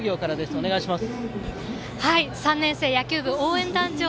お願いします。